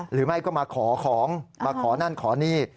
หรือไม่ก็มาขอของมาขอนั่นขอนี่